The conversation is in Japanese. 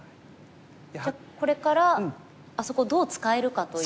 じゃあこれからあそこどう使えるかという。